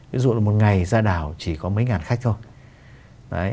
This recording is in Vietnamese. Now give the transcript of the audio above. ví dụ là một ngày ra đảo chỉ có mấy ngàn khách thôi